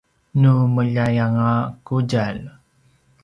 nu meljai anga qudjalj